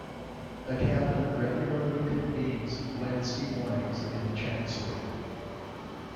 The cabinet regularly convenes Wednesday mornings in the Chancellery.